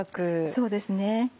そうですね。